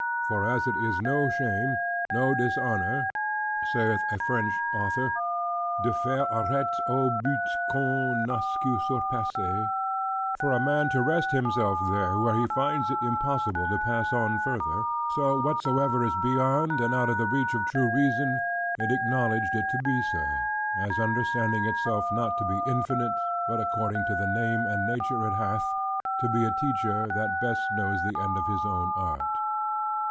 For as it is no shame, nor dishonor (saith a French author) "de faire arrest au but qu'on nasceu surpasser," "for a man to rest himself there where he finds it impossible to pass on further": so whatsoever is beyond, and out of the reach of true reason, it acknowledged it to be so; as understanding itself not to be infinite, but according to the name and nature it hath, to be a teacher, that best knows the end of his own art.